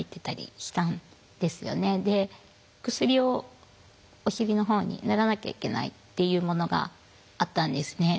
薬をお尻のほうに塗らなきゃいけないっていうものがあったんですね。